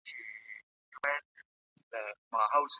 ایا ملي بڼوال خندان پسته پروسس کوي؟